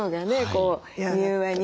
こう柔和に。